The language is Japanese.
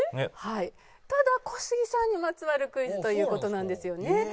ただ小杉さんにまつわるクイズという事なんですよね。